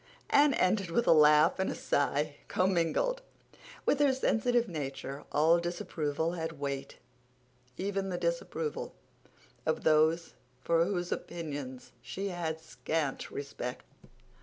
Anne ended with a laugh and a sigh commingled. With her sensitive nature all disapproval had weight, even the disapproval of those for whose opinions she had scant respect.